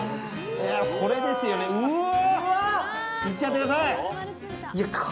これですよね、うわ！